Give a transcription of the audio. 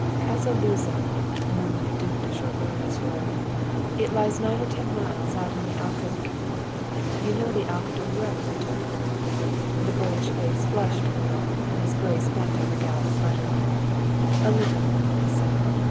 "Casa Luzo," murmured the Duc de Choleaux Lasuer, "it lies nine or ten miles out on the Alcad..." "You know the Alcador road, duke?" The boyish face flushed a little and his grace bent over Galva's letter. "A little," he said.